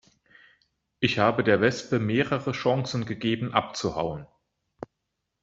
Ich habe der Wespe mehrere Chancen gegeben, abzuhauen.